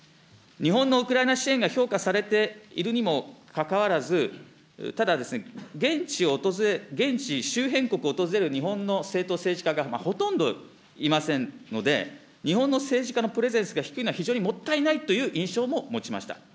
日本のウクライナ支援が評価されているにもかかわらず、ただ、現地、周辺国を訪れる日本の政党政治家がほとんどいませんので、日本の政治家のプレゼンスが低いのは非常にもったいないという印象も持ちました。